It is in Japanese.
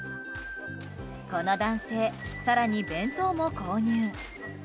この男性、更に弁当も購入。